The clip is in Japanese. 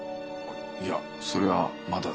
いやそれはまだだ。